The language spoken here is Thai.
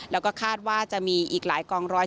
แล้วก็คาดว่าจะมีอีกหลายกองร้อย